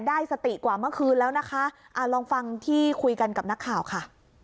ได้สติกว่าเมื่อคืนแล้วนะคะอ่าลองฟังที่คุยกันกับนักข่าวค่ะ